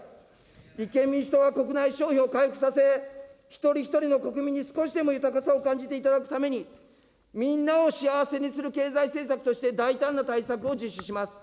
立憲民主党は国内消費を回復させ、一人一人の国民に少しでも豊かさを感じていただくために、みんなを幸せにする経済政策として大胆な対策を実施します。